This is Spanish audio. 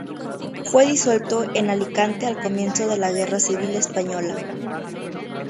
Fue disuelto en Alicante al comienzo de la Guerra Civil Española.